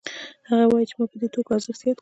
هغه وايي چې ما په دې توکو ارزښت زیات کړ